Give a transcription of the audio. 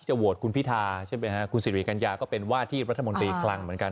โหวตคุณพิธาใช่ไหมฮะคุณสิริกัญญาก็เป็นว่าที่รัฐมนตรีคลังเหมือนกัน